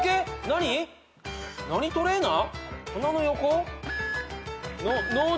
何トレーナー？